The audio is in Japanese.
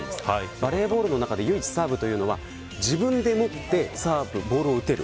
バレーボールの中で唯一サーブは自分で持ってボールを打てる。